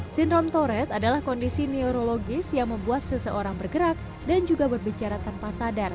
sindrom toret adalah kondisi neurologis yang membuat seseorang bergerak dan juga berbicara tanpa sadar